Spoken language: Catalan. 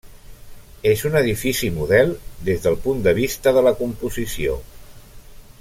És un edifici model des del punt de vista de la composició.